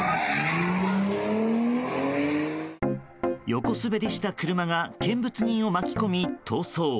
横滑りした車が見物人を巻き込み逃走。